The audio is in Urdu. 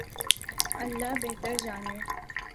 اللہ بہتر جانے۔